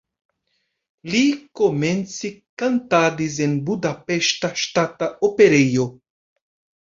Li komence kantadis en Budapeŝta Ŝtata Operejo.